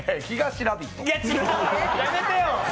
やめてよ。